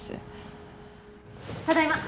ただいま。